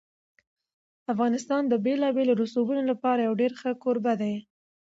افغانستان د بېلابېلو رسوبونو لپاره یو ډېر ښه کوربه دی.